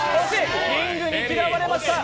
リングに嫌われました。